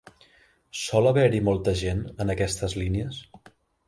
Sol haver-hi molta gent en aquestes línies?